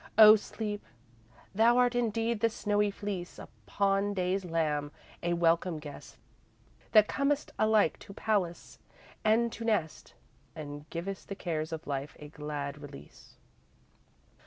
O Sleep, thou art indeed the snowy fleece Upon Day's lamb. A welcome guest That comest alike to palace and to nest And givest the cares of life a glad release.